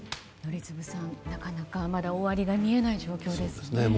宜嗣さん、なかなかまだ終わりが見えない状況ですね。